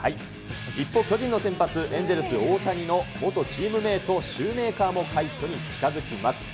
一方、巨人の先発、エンゼルス、大谷の元チームメート、シューメーカーも快挙に近づきます。